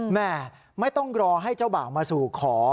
แม่ไม่ต้องรอให้เจ้าบ่าวมาสู่ขอ